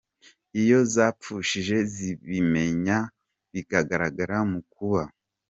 iyo zapfushije zibimenya, bikagaragara mu kuba.